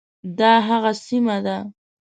دا هغه سیمه ده.